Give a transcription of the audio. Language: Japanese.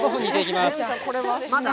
まだ？